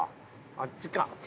あっちか。